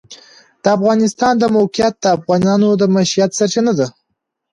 د افغانستان د موقعیت د افغانانو د معیشت سرچینه ده.